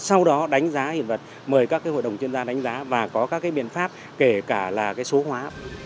sau đó đánh giá hiện vật mời các hội đồng chuyên gia đánh giá và có các biện pháp kể cả là số hóa